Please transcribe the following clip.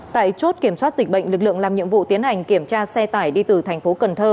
tại chốt kiểm soát dịch bệnh lực lượng làm nhiệm vụ tiến hành kiểm tra xe tải đi từ thành phố cần thơ